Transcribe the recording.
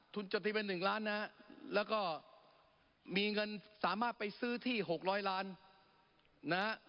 คุณจดทะเบียน๑ล้านนะฮะแล้วก็มีเงินสามารถไปซื้อที่๖๐๐ล้านนะฮะ